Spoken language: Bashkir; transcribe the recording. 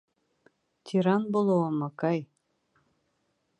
Тиран булыуымы, Кай?